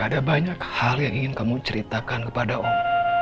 ada banyak hal yang ingin kamu ceritakan kepada allah